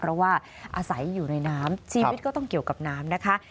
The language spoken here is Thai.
เพราะว่าอาศัยอยู่ในน้ำชีวิตก็ต้องเกี่ยวกับน้ำนะคะ